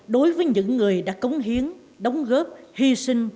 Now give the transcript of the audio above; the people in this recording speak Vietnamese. đối với những người đã cống hiến đóng góp hy sinh